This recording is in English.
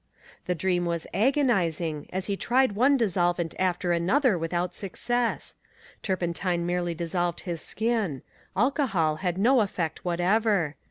The dream was agonizing as he tried one dissolvent after another without success. Turpentine merely dissolved his skin; alcohol had no effect whatever.